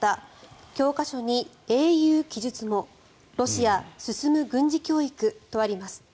教科書に英雄記述もロシア進む軍事教育とあります。